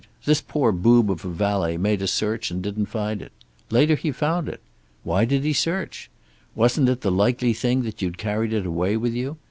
This poor boob of a valet made a search and didn't find it. Later he found it. Why did he search? Wasn't it the likely thing that you'd carried it away with you?